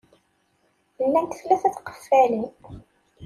Llant tlata n tqeffalin.